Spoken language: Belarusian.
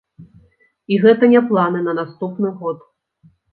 І гэта не планы на наступны год!